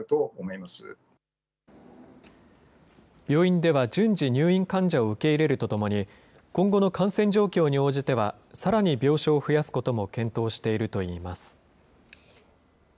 病院では順次、入院患者を受け入れるとともに、今後の感染状況に応じては、さらに病床を増やすことも検討しているといいます。